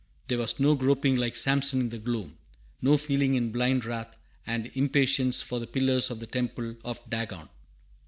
There was no groping like Samson in the gloom; no feeling in blind wrath and impatience for the pillars of the temple of Dagon.